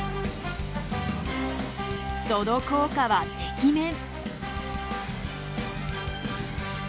その効果はてきめん！